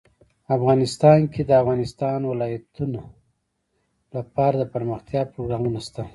افغانستان کې د د افغانستان ولايتونه لپاره دپرمختیا پروګرامونه شته.